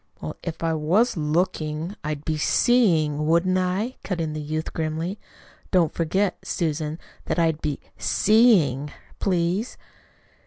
"Well, if I was LOOKING, I'd be SEEING, wouldn't I?" cut in the youth grimly. "Don't forget, Susan, that I'd be SEEING, please."